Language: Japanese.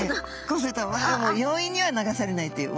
こうすると容易には流されないという。